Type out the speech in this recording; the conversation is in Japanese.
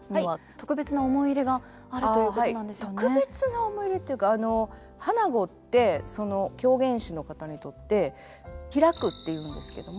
特別な思い入れというか「花子」って狂言師の方にとって「披く」って言うんですけども。